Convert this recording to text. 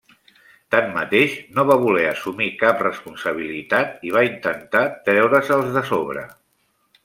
Tanmateix, no va voler assumir cap responsabilitat i va intentar treure-se'ls de sobre.